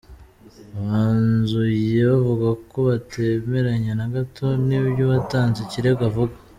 Banzuye bavuga ko batemeranya na gato n’iby’uwatanze ikirego avuga.